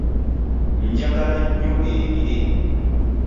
Njagala nnyo ebire.